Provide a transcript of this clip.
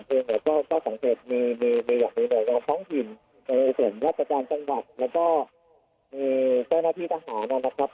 เราก็พ้องกินเอ่ยเสียงรัฐกรรมจังหวัดแล้วก็อืมแก้มาที่ทหารนะครับ